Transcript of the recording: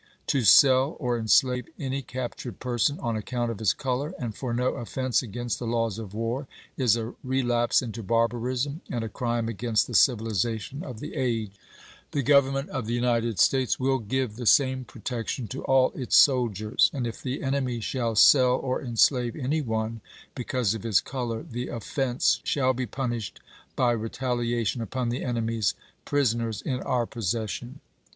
To sell or enslave any captured person on account of his color, and for no offense against the laws of war, is a relapse into barbarism and a crime against the civilization of the age. BETALIATION 475 The Government of the United States will give the chap.xxi. same protection to all its soldiers, and if the enemy shall sell or enslave any one because of his color the offense j^jy 30 shall be punished by retaliation upon the enemy's prison i^ea. ' ers in our possession.